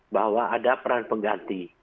bahwa ada peran pengganti